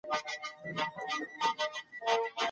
آيا د بيمې شرکتونه په سمه توګه خپل فعاليتونه مخته وړي؟